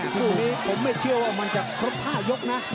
คู่นี้ผมไม่เชื่อว่ามันจะครบ๕ยกนะ